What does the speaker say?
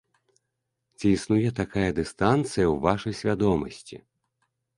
Ці існуе такая дыстанцыя ў вашай свядомасці?